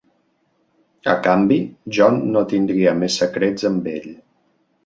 A canvi, John no tindria més secrets amb ell.